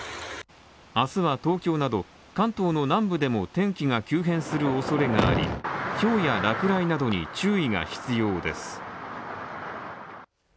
明日は東京など関東南部でも天気が急変するおそれがありひょうや落雷などに注意が必要です。